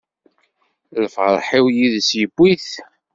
Lferḥ-iw yid-s yewwi-t.